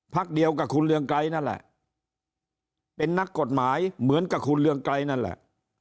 เดียวกับคุณเรืองไกรนั่นแหละเป็นนักกฎหมายเหมือนกับคุณเรืองไกรนั่นแหละ